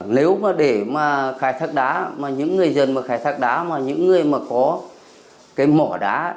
nếu mà để mà khai thác đá mà những người dân mà khai thác đá mà những người mà có cái mỏ đá